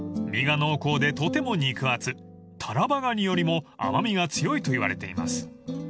［身が濃厚でとても肉厚タラバガニよりも甘味が強いといわれています］